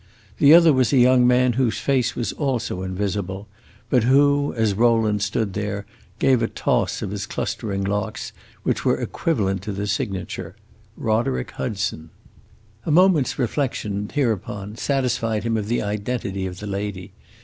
The other was a young man, whose face was also invisible, but who, as Rowland stood there, gave a toss of his clustering locks which was equivalent to the signature Roderick Hudson. A moment's reflection, hereupon, satisfied him of the identity of the lady.